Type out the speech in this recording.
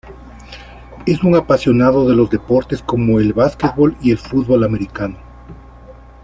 Es un apasionado de los deportes como el basquetbol y el fútbol americano.